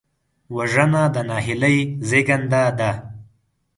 وژنه د نهیلۍ زېږنده ده